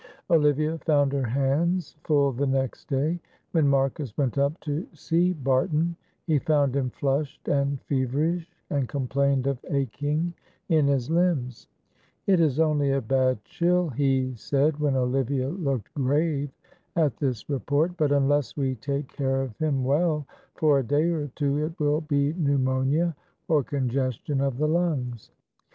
Olivia found her hands full the next day; when Marcus went up to see Barton, he found him flushed and feverish, and complained of aching in his limbs. "It is only a bad chill," he said, when Olivia looked grave at this report; "but unless we take care of him well for a day or two, it will be pneumonia or congestion of the lungs.